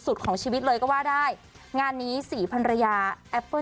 สุดของชีวิตเลยก็ว่าได้งานนี้สี่พันรยาแอปเปิ้ล